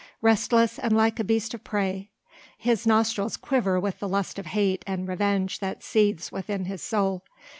Restless and like a beast of prey; his nostrils quiver with the lust of hate and revenge that seethes within his soul.